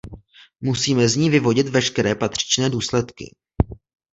Musíme z ní vyvodit veškeré patřičné důsledky.